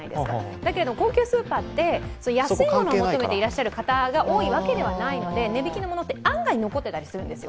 だけれども、高級スーパーって安いものを求めていらっしゃる方が多いわけではないので値引きのものって、案外、残ってたりするんですよ。